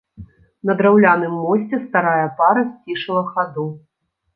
На драўляным мосце старая пара сцішыла хаду.